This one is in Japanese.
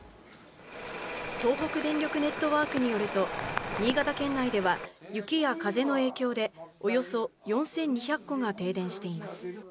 東北電力ネットワークによると、新潟県内では、雪や風の影響で、およそ４２００戸が停電しています。